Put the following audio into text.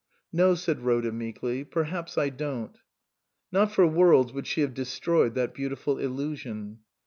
"No," said Rhoda meekly, "perhaps I don't." Not for worlds would she have destroyed that beautiful illusion.